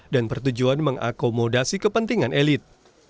dan pertujuan mengakomodasi kepentingan elit